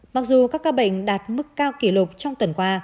mặc dù các ca bệnh đạt mức cao kỷ lục trong tuần qua